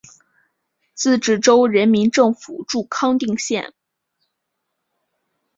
自治州人民政府驻康定县。